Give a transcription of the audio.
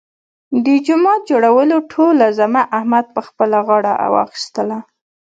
د جومات جوړولو ټوله ذمه احمد په خپله غاړه واخیستله.